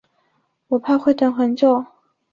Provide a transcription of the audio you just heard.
我怕会等很久